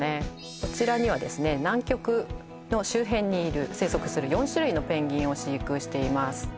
こちらにはですね南極の周辺にいる生息する４種類のペンギンを飼育しています